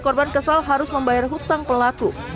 korban kesal harus membayar hutang pelaku